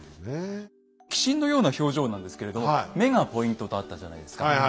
鬼神のような表情なんですけれど目がポイントとあったじゃないですか。